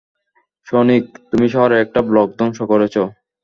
Sonic, তুমি শহরের একটা ব্লক ধ্বংস করেছ!